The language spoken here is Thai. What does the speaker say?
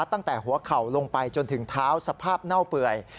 ตั้งแต่หัวเข่าลงไปจนถึงเท้าสภาพเน่าเปื่อย